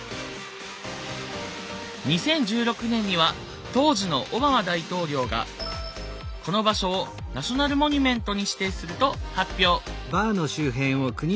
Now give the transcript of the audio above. ２０１６年には当時のオバマ大統領がこの場所をナショナル・モニュメントに指定すると発表。